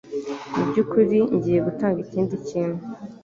Mubyukuri, ngiye gutanga ikindi kintu.